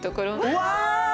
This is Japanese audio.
うわ！